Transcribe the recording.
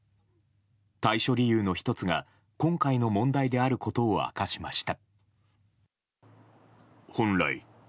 退所理由の１つが今回の問題であることを明かしました。